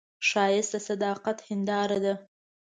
ښایست د صداقت هنداره ده